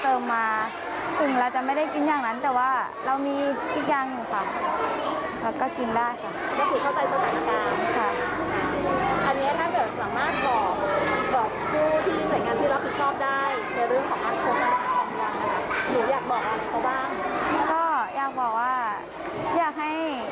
ภาคโรงเรียนจะได้มีงบประมาณซื้อค่ะ